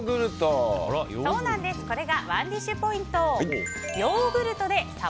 これがＯｎｅＤｉｓｈポイント。